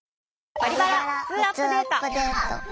「バリバラふつうアップデート」。